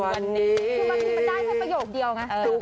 คือบางทีมันได้แค่ประโยคเดียวไง